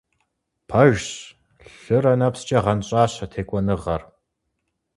Пэжщ, лъырэ нэпскӀэ гъэнщӀащ а текӀуэныгъэр.